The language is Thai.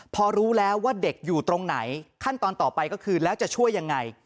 พอรู้แล้วว่าเด็กอยู่ตรงไหนขั้นตอนต่อไปก็คือแล้วจะช่วยยังไง